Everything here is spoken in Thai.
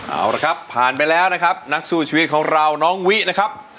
เอาละครับผ่านไปแล้วนะครับนักสู้ชีวิตของเราน้องวินะครับ